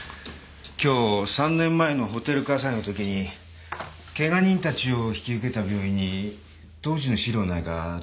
今日３年前のホテル火災のときにケガ人たちを引き受けた病院に当時の資料ないか問い合わせてみたんだ。